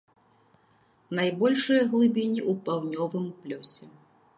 Найбольшыя глыбіні ў паўднёвым плёсе.